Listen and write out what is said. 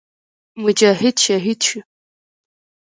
مجاهد شهید شو.